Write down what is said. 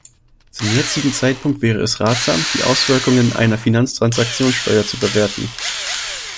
Zum jetzigen Zeitpunkt wäre es ratsam, die Auswirkungen einer Finanztransaktionssteuer zu bewerten.